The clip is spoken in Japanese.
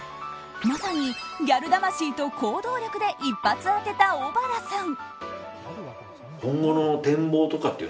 まさにギャル魂と行動力で一発当てた小原さん。